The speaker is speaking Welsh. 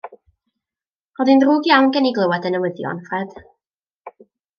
Roedd hi'n ddrwg iawn gen i glywed y newyddion, Ffred.